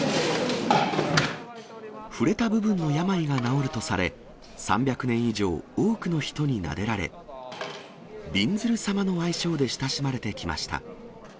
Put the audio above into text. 触れた部分の病が治るとされ、３００年以上多くの人になでられ、びんずる様の愛称で親しまれてきました。